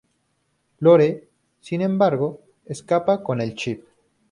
Lore, sin embargo, escapa con el chip.